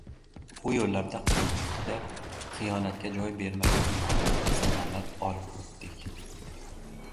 Bu yo‘llarda qalbimizda xiyonatga joy bermay imonimizni salomat olib o‘tdik.